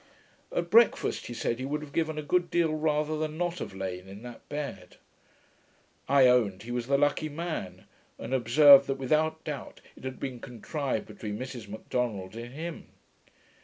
At breakfast he said, he would have given a good deal rather than not have lain in that bed. I owned he was the lucky man; and observed, that without doubt it had been contrived between Mrs Macdonald and him.